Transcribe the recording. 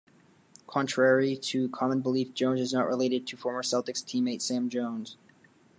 Contrary to common belief, Jones is not related to former Celtics teammate Sam Jones.